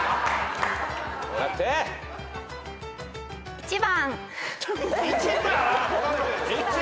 １番。